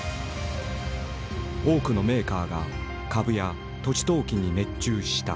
多くのメーカーが株や土地投機に熱中した。